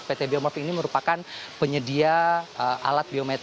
pt biomorph ini merupakan penyedia alat biologis